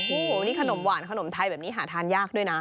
โอ้โหนี่ขนมหวานขนมไทยแบบนี้หาทานยากด้วยนะ